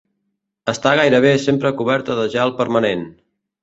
Està gairebé sempre coberta de gel permanent.